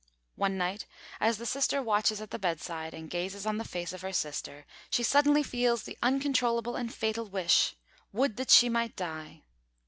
One night, as the sister watches at the bedside, and gazes on the face of her sister, she suddenly feels the uncontrollable and fatal wish "Would that she might die!"